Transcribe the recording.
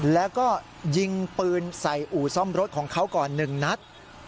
แล้วก็ยิงปืนใส่อู่ซ่อมรถของเขาก่อน๑นัด